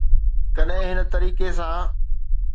ڪڏهن هن طريقي سان.